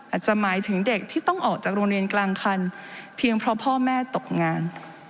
อาจจะหมายถึงเด็กที่ต้องออกจากโรงเรียนกลางคันเพียงเพราะพ่อแม่ตกงาน